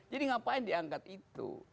jadi ngapain diangkat itu